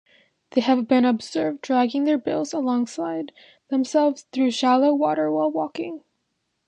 They have been observed dragging their bills alongside themselves through shallow water while walking.